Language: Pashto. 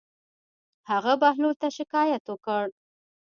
هغه بهلول ته شکايت وکړ.